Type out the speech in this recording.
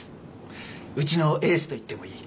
うちのエースと言ってもいい。